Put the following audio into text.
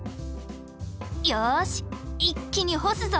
よし一気に干すぞ！